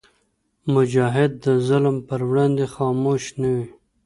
مجاهد د ظلم پر وړاندې خاموش نه وي.